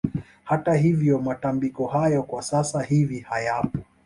Hata hivyo matambiko hayo kwa sasa hivi hayapo